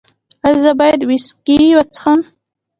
ایا زه باید ویسکي وڅښم؟